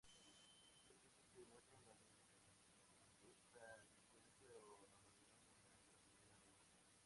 Son piezas que demuestran la supuesta delincuencia o anormalidad mental de la comunidad negra.